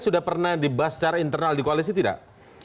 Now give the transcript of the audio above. sudah pernah dibahas secara internal di koalisi tidak